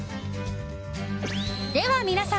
では皆さん